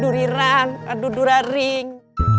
durirang adu duraring